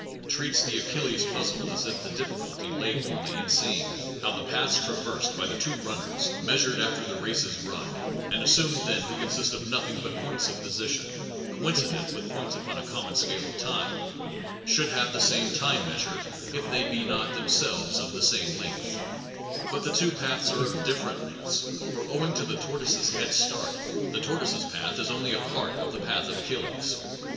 treats the Achilles puzzle as if the difficulty lay only in seeing how the 179 SOME PROBLEMS OF PHILOSOPHY paths traversed by the two runners (measured after the race is run, and assumed then to con Russeil s sist of nothing but points of position solution . j .,. of Zeno s coincident with points upon a com paradox mon gca j e Q f t j me ) snO uId have the by their means same time measure if they be not themselves of the same length. But the two paths are of different lengths; for owing to the tortoise s head start, the tortoise s path is only a part of the path of Achilles.